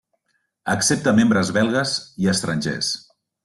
Accepta membres belgues i estrangers.